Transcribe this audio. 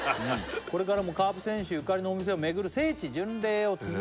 「これからもカープ選手ゆかりのお店を巡る聖地巡礼を続け」